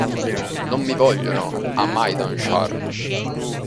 Non mi vogliono a Maidanshar.